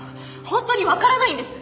本当にわからないんです！